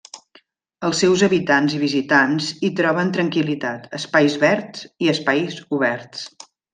Els seus habitants i visitants hi troben tranquil·litat, espais verds i espais oberts.